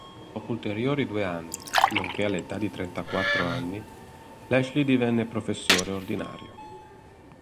Dopo ulteriori due anni, nonché all'età di trentaquattro anni, Lashley divenne professore ordinario.